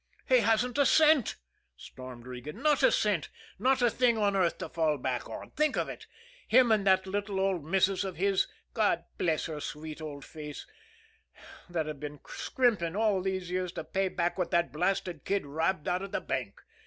"He hasn't a cent!" stormed Regan. "Not a cent not a thing on earth to fall back on. Think of it! Him and that little old missus of his, God bless her sweet old face, that have been scrimping all these years to pay back what that blasted kid robbed out of the bank.